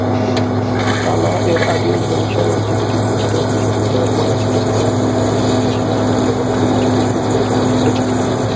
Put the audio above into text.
কালা এর আগে ইন্দোনেশিয়ার এলজিবিটি প্রচারের বিরোধিতা বলেছিলেন, যা তিনি এই মুহূর্তে সামাজিক মূল্যবোধ থেকে বিচ্যুত হিসাবে বিবেচনা করেছিলেন।